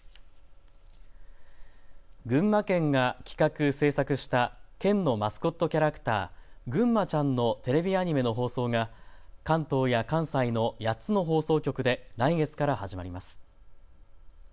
群馬県が企画・制作した県のマスコットキャラクター、ぐんまちゃんのテレビアニメの放送が関東や関西の８つの放送局で来月から始まります。